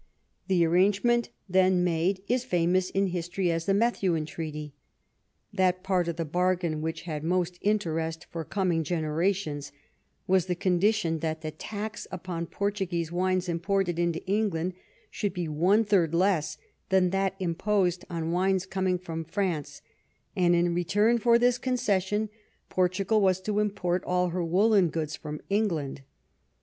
The arrangement then made is famous in history as the Methuen treaty. That part of the bargain which had most interest for coming generations was the con dition that the tax upon Portuguese wines imported into England should be one third less than that im posed on wines coming from France, and in return for this concession Portugal was to import all her woollen goods from England.